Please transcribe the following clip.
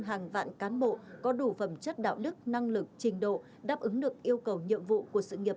hàng vạn cán bộ có đủ phẩm chất đạo đức năng lực trình độ đáp ứng được yêu cầu nhiệm vụ của sự nghiệp